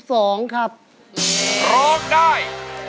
ร้องได้